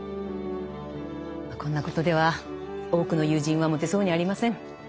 こんなことでは多くの友人は持てそうにありません。